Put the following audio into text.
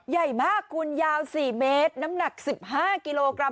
ใหญ่มากคุณยาว๔เมตรน้ำหนัก๑๕กิโลกรัม